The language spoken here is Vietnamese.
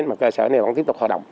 mà cơ sở này vẫn tiếp tục hoạt động